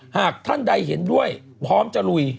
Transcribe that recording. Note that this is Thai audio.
หากท่านใดเห็นด้วยพร้อมจะลุย